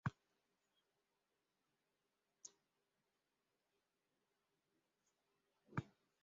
Delitugilearen planifikazio zantzuak edo planifikazio ezaren zantzuak egongo dira.